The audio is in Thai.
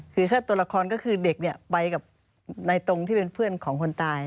คือถ้าตัวละครก็คือเด็กเนี่ยไปกับในตรงที่เป็นเพื่อนของคนตาย